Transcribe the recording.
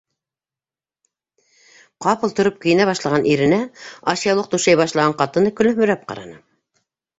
Ҡапыл тороп кейенә башлаған иренә ашъяулыҡ түшәй башлаған ҡатыны көлөмһөрәп ҡараны: